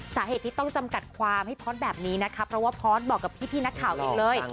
สาเหตุที่ต้องจำกัดความให้พอร์ตแบบนี้นะคะเพราะว่าพอร์ตบอกกับพี่นักข่าวเองเลย